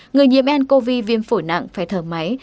người nhiễm ncov viêm phổi nặng phải thở máy